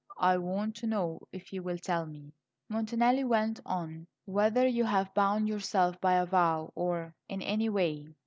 "I want to know, if you will tell me," Montanelli went on; "whether you have bound yourself by a vow, or in any way."